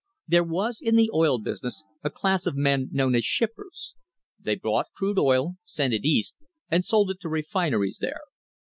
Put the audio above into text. There was in the oil business a class of men known as shippers. They bought crude oil, sent it East, and sold it to refineries there.